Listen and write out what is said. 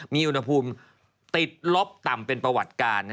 มีอุณหภูมิติดลบต่ำเป็นประวัติการ